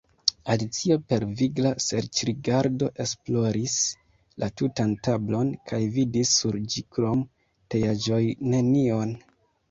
Alicio per vigla serĉrigardo esploris la tutan tablon, kaj vidis sur ĝikrom teaĵojnenion.